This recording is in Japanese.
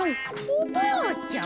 おばあちゃん？